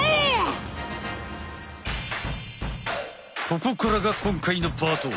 ここからが今回のパート！